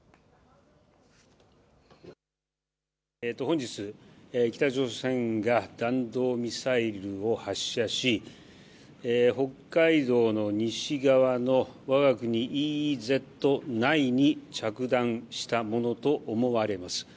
本日、北朝鮮が弾道ミサイルを発射し、北海道の西側のわが国ＥＥＺ内に着弾したものと思われます。